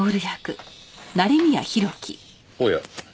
おや。